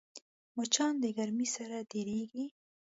مچان د ګرمۍ سره ډېریږي